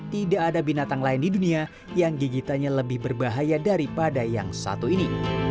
tidak ada binatang lain di dunia yang gigitannya lebih berbahaya daripada yang satu ini